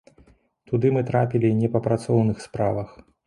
Туды мы трапілі не па працоўных справах.